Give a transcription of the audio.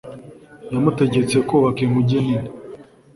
yamutegetse kubaka inkuge nini